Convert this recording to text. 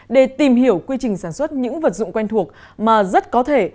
để tìm hiểu quy trình sản xuất những vật dụng quen thuộc mà rất có thể